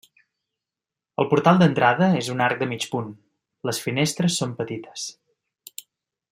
El portal d'entrada és un arc de mig punt, les finestres són petites.